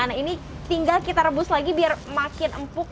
nah ini tinggal kita rebus lagi biar makin empuk